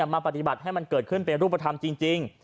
มาปฏิบัติให้มันเกิดขึ้นเป็นรูปธรรมจริง